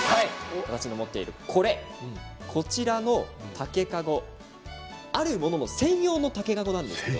私が持っているこれこちらの竹かごあるものの専用の竹かごです。